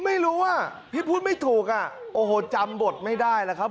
ไม่รู้อ่ะพี่พูดไม่ถูกอ่ะโอ้โหจำบทไม่ได้แล้วครับ